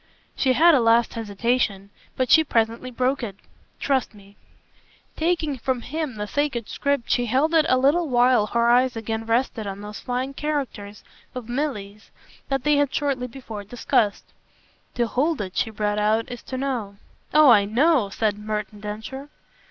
She had a last hesitation, but she presently broke it. "Trust me." Taking from him the sacred script she held it a little while her eyes again rested on those fine characters of Milly's that they had shortly before discussed. "To hold it," she brought out, "is to know." "Oh I KNOW!" said Merton Densher.